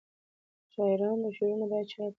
د شاعرانو شعرونه باید چاپ سي.